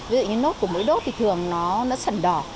ví dụ như nốt của mũi đốt thì thường nó sần đỏ